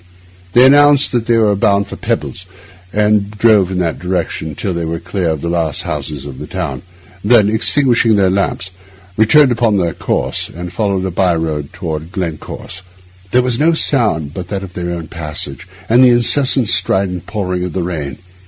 They announced that they were bound for Peebles, and drove in that direction till they were clear of the last houses of the town; then, extinguishing the lamps, returned upon their course, and followed a by road toward Glencorse. There was no sound but that of their own passage, and the incessant, strident pouring of the rain.